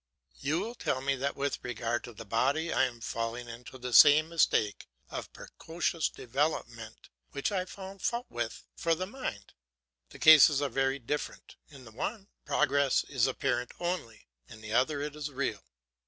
You will tell me that with regard to the body I am falling into the same mistake of precocious development which I found fault with for the mind. The cases are very different: in the one, progress is apparent only; in the other it is real.